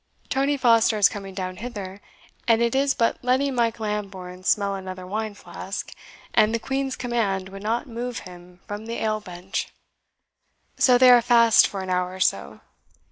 Tony Foster is coming down hither, and it is but letting Mike Lambourne smell another wine flask, and the Queen's command would not move him from the ale bench. So they are fast for an hour or so.